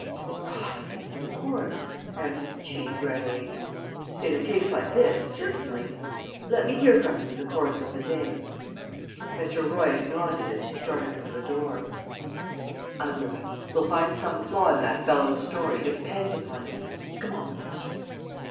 "Why, yes, of course," answered the chief readily. "In a case like this, certainly. Let me hear from you in the course of the day." Mr. Royce nodded as he started for the door. "I will; we'll find some flaw in that fellow's story, depend upon it. Come on, Lester."